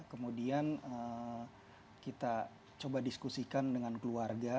kemudian kita coba diskusikan dengan keluarga